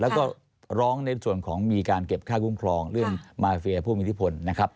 แล้วก็ร้องในส่วนของมีการเก็บค่าคุ้มครองเรื่องมาเฟียผู้มีอิทธิพลนะครับ